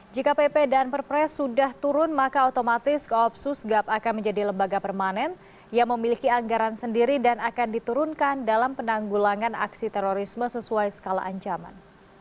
jika pp dan perpres sudah turun maka otomatis koopsus gap akan menjadi lembaga permanen yang memiliki anggaran sendiri dan akan diturunkan dalam penanggulangan aksi terorisme sesuai skala ancaman